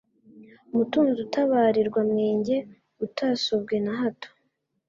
Mutunzi utabarirwa Mwenge utasobwe na hato